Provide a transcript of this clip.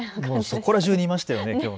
そこら中にいましたよね、きょう。